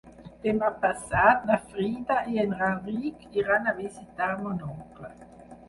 Demà passat na Frida i en Rauric iran a visitar mon oncle.